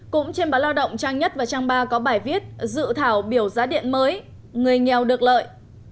cũng trên báo lao động trang nhất và trang ba có bài viết dự thảo biểu giá điện mới người nghèo được lợi